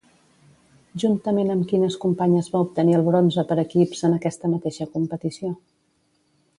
Juntament amb quines companyes va obtenir el bronze per equips en aquesta mateixa competició?